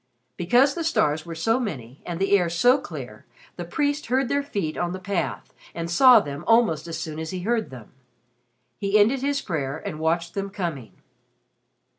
Because the stars were so many and the air so clear, the priest heard their feet on the path, and saw them almost as soon as he heard them. He ended his prayer and watched them coming.